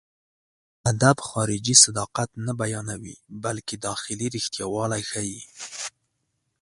ادب خارجي صداقت نه بيانوي، بلکې داخلي رښتياوالی ښيي.